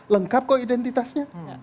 lengkap kok identitasnya